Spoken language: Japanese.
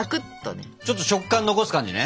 ちょっと食感残す感じね。